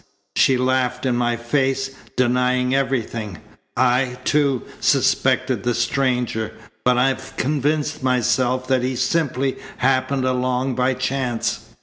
She laughed in my face, denying everything. I, too, suspected the stranger, but I've convinced myself that he simply happened along by chance.